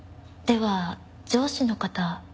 では上司の方。